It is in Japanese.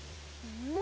うん！